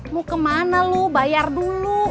mau kemana lu bayar dulu